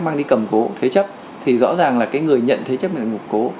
mang đi cầm gỗ thế chấp thì rõ ràng là người nhận thế chấp này là một gỗ